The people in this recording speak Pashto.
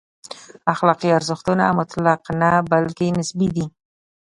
اخلاقي ارزښتونه مطلق نه، بلکې نسبي دي.